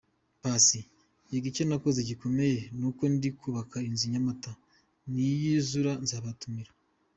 Paccy: Yego, icyo nakoze gikomeye ni uko ndi kubaka inzu i Nyamata, niyuzura nzabatumira.